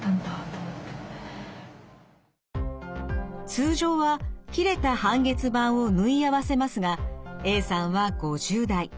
通常は切れた半月板を縫い合わせますがＡさんは５０代。